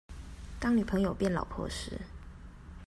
當女朋友變老婆時